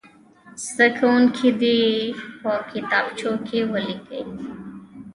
زده کوونکي دې یې په کتابچو کې ولیکي.